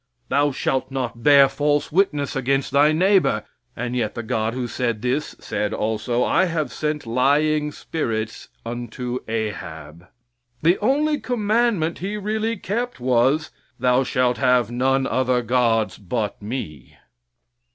"Thou shalt not bear false witness against thy neighbor." And yet the God who said this said also, "I have sent lying spirits unto Ahab." The only commandment He really kept was, "Thou shalt have none other gods but Me."